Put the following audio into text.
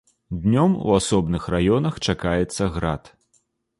Днём у асобных раёнах чакаецца град.